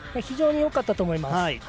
非常によかったと思います。